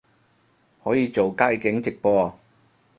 可以做街景直播